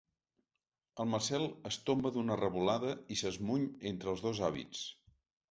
El Marcel es tomba d'una revolada i s'esmuny entre els dos hàbits.